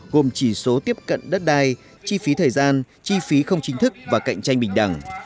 gồm chỉ số tiếp cận đất đai chi phí thời gian chi phí không chính thức và cạnh tranh bình đẳng